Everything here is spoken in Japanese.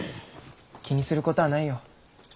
気にすることはないよ。